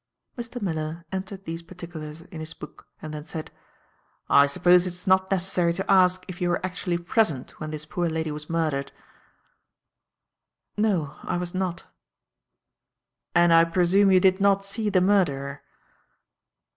Mr. Miller entered these particulars in his book and then said: "I suppose it is not necessary to ask if you were actually present when this poor lady was murdered?" "No, I was not." "And I presume you did not see the murderer?"